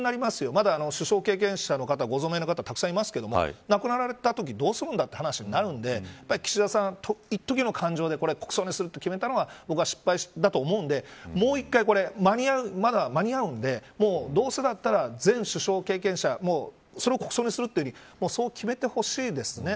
まだ、首相経験者でご存命の方、たくさんいますが亡くなられたときにどうするんだって話になるんで岸田さんは一時の判断で国葬にすると決めたのは僕は失敗だと思うんでまだ間に合うんでどうせだったら、全首相経験者それを国葬にするというふうにそう決めてほしいですね。